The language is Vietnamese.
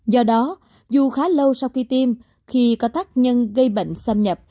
do đó dù khá lâu sau khi tiêm khi có tác nhân gây bệnh xâm nhập